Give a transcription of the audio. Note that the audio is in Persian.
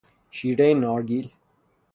شیرهی نارگیل